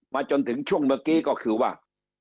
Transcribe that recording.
จนถึงช่วงเมื่อกี้ก็คือว่า